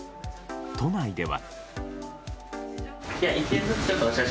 都内では。